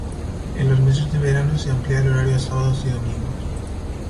En los meses de verano se amplía el horario a sábados y domingos.